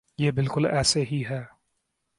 یہ بالکل ایسے ہی ہے۔